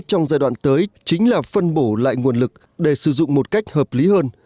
trong giai đoạn tới chính là phân bổ lại nguồn lực để sử dụng một cách hợp lý hơn